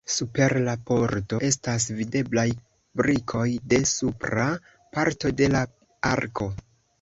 Super la pordo estas videblaj brikoj de supra parto de la arko.